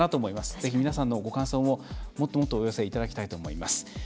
ぜひ皆さんのご感想ももっともっとお寄せいただきたいと思います。